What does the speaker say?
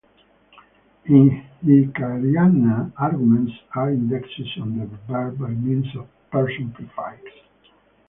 In Hixkaryana, arguments are indexed on the verb by means of person prefixes.